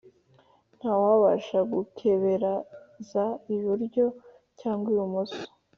ntawabasha gukebereza iburyo cyangwa ibumoso